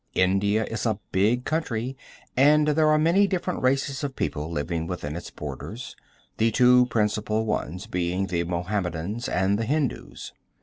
India is a big country, and there are many different races of people living within its borders, the two principal ones being the Mohammedans and the Hindus.